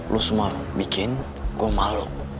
lo semua bikin gue malu